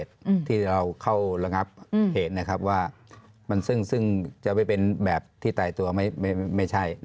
ที่เราเข้าระงับเหตุนะครับซึ่งจะไม่เป็นแบบที่ไตตัวไม่ใช่